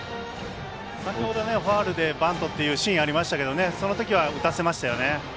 先ほど、ファウルでバントっていうシーンありましたけどその時は、打たせましたよね。